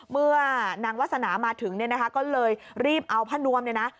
เมื่อนางวาสนามาถึงเนี่ยนะคะก็เลยรีบเอาผ้านวมเนี่ยนะ